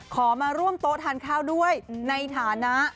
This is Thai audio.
มาร่วมโต๊ะทานข้าวด้วยในฐานะ